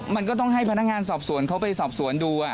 มันก็ต้องให้พนักงานสอบสวนเขาไปสอบสวนดู